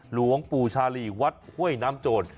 หลวงปู่ชาลีวัดห้วยน้ำโจร